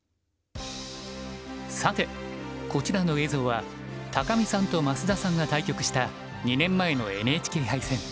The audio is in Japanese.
さてこちらの映像は見さんと増田さんが対局した２年前のＮＨＫ杯戦。